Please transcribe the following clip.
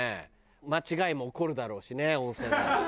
間違いも起こるだろうしね温泉なら。